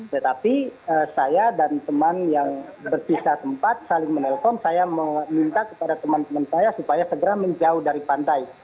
tetapi saya dan teman yang berpisah tempat saling menelpon saya meminta kepada teman teman saya supaya segera menjauh dari pantai